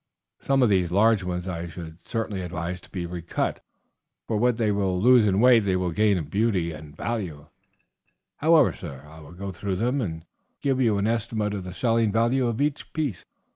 Some of these large ones I should certainly advise to be recut, for what they will lose in weight they will gain in beauty and value. However, sir, I will go through them and give you an estimate of the selling value of each piece.